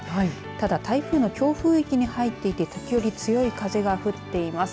ただ台風の強風域に入っていて時折、強い風が吹いています。